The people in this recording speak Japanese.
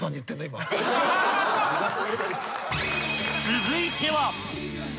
［続いては］